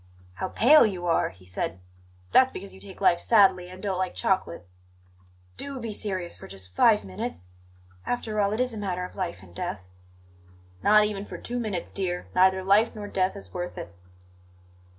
"How pale you are!" he said. "That's because you take life sadly, and don't like chocolate " "Do be serious for just five minutes! After all, it is a matter of life and death." "Not even for two minutes, dear; neither life nor death is worth it."